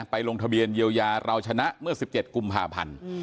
ลงทะเบียนเยียวยาเราชนะเมื่อ๑๗กุมภาพันธ์